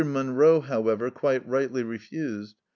Munro, however, quite rightly re fused.